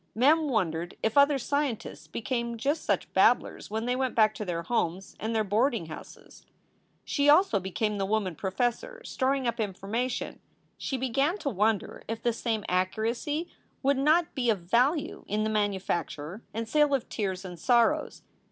Mem wondered if other scientists became just such babblers when they went back to their homes and their boarding houses. She also became the woman professor storing up informa tion. She began to wonder if the same accuracy would not be of value in the manufacture and sale of tears and sorrows.